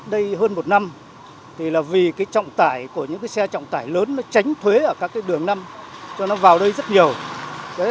đây hơn một năm thì là vì cái trọng tải của những cái xe trọng tải lớn nó tránh thuế ở các đường năm cho nó vào đây rất nhiều